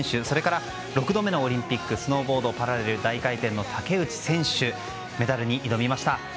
それから６度目のオリンピックスノーボードパラレル大回転の竹内選手、メダルに挑みました。